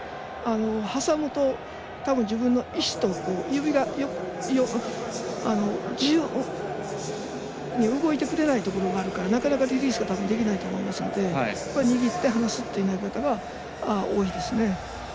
挟むと、たぶん自分の意思と指が自由に動いてくれないところがあるからなかなかリリースができないと思いますので握って離して投げるのが多いです。